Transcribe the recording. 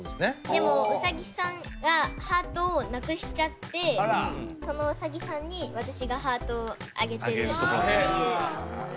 でもウサギさんがハートをなくしちゃってそのウサギさんに私がハートをあげてるっていう絵です。